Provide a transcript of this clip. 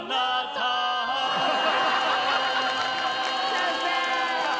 先生！